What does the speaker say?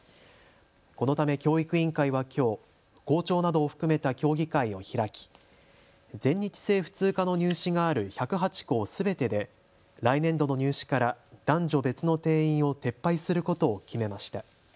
このため教育委員会はきょう校長などを含めた協議会を開き全日制普通科の入試がある１０８校すべてで来年度の入試から男女別の定員を撤廃することを決めました。